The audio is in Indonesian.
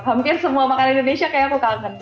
hampir semua makanan indonesia kayak aku kangen